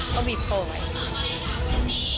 เขาบีบคอไว้